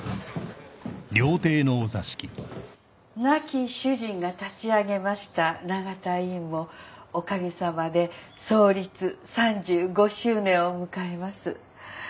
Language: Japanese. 亡き主人が立ち上げました永田医院もおかげさまで創立３５周年を迎えます。